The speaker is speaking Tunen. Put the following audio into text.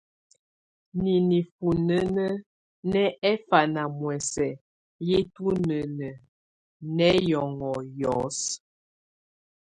Nìnífúnínǝ̀ nɛ ɛfanamɔ̀ɔ̀sɛ̀ yɛ̀ tunɛn nɛ̀ hiɔ̀ŋɔ̀ hiɔ̀sɔ.